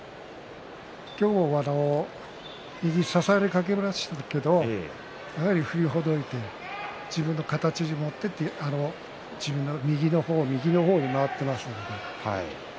今日も右差されかけましたけどやはり振りほどいて自分の形に持っていって右の方、右の方に回っています。